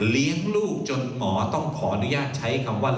เลี้ยงลูกจนหมอต้องขออนุญาตใช้คำว่า